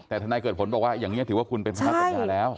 แต่ทนายเกิดผลบอกว่าอย่างนี้ถือว่าคุณเป็นพนักสัญญาแล้ว